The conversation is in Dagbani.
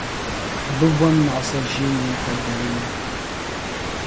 bɛ bom’ naɣisa’ ʒee ŋun ka dalinli.